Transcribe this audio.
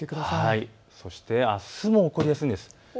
あすも起こりやすいんです。